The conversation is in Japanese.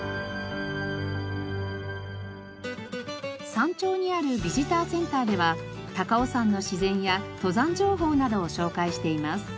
山頂にあるビジターセンターでは高尾山の自然や登山情報などを紹介しています。